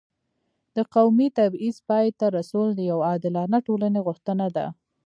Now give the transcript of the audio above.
د قومي تبعیض پای ته رسول د یو عادلانه ټولنې غوښتنه ده.